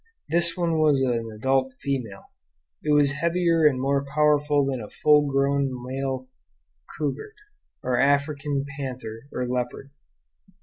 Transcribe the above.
This one was an adult female. It was heavier and more powerful than a full grown male cougar, or African panther or leopard.